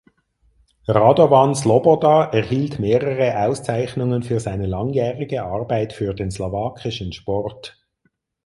Radovan Sloboda erhielt mehrere Auszeichnungen für seine langjährige Arbeit für den slowakischen Sport.